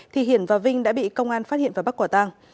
thì hiển và vinh đã bị công an phát hiện và bắt quả tang